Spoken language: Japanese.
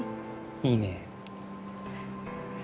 いいね。